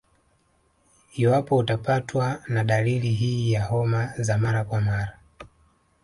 Iwapo utapatwa na dalili hii ya homa za mara kwa mara